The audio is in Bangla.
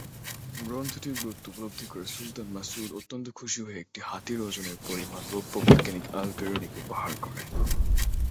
গ্রন্থটির গুরুত্ব উপলব্ধি করে সুলতান মাসউদ অত্যন্ত খুশি হয়ে একটি হাতির ওজনের পরিমাণ রৌপ্য বৈজ্ঞানিক আল-বিরুনিকে উপহার করেন।